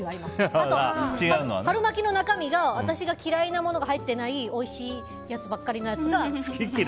あと春巻きの中身が私が嫌いなものが入ってないおいしいのばっかりのやつが。